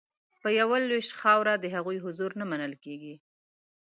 په یوه لوېشت خاوره د هغوی حضور نه منل کیږي